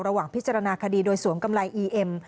ระหว่างพิจารณาคดีโดยสวมกำไรอีเอ็ม